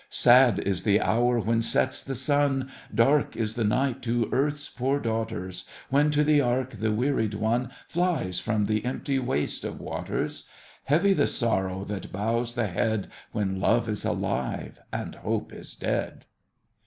Sad is the hour when sets the sun— Dark is the night to earth's poor daughters, When to the ark the wearied one Flies from the empty waste of waters! Heavy the sorrow that bows the head When love is alive and hope is dead!